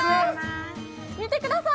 見てください。